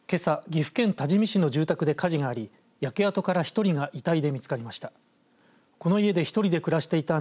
岐阜県多治見市の住宅で火事があり焼け跡から１人が遺体で見つかりました。